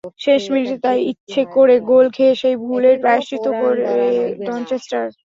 শেষ মিনিটে তাই ইচ্ছা করে গোল খেয়ে সেই ভুলের প্রায়শ্চিত্ত করে ডনচেস্টার।